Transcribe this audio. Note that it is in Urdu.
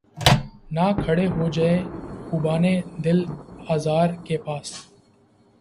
نہ کھڑے ہوجیے خُوبانِ دل آزار کے پاس